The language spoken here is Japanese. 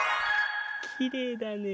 きれいだね。